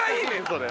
それ。